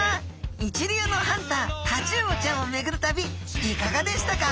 一流のハンタータチウオちゃんをめぐる旅いかがでしたか？